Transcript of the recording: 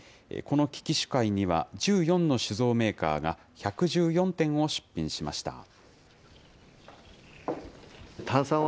このきき酒会には１４の酒造メーカーが１１４点を出品しました。